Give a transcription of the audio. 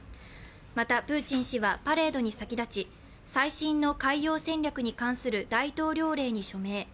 また、プーチン氏はパレードに先立ち、最新の海洋戦略に関する大統領令に署名。